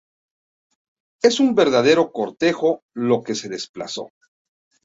Es un verdadero cortejo lo que se desplazó.